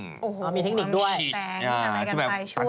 โอ้โหมีเทคนิคด้วยชิ้นช่วยช่วยช่วย